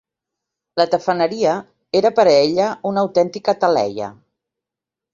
La tafaneria era per a ella una autèntica taleia.